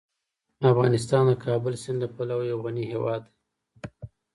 افغانستان د کابل سیند له پلوه یو غني هیواد دی.